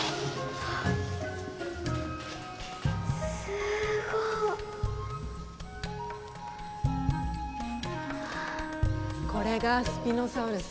すごい！これがスピノサウルス。